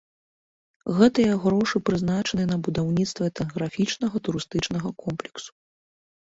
Гэтыя грошы прызначаныя на будаўніцтва этнаграфічнага турыстычнага комплексу.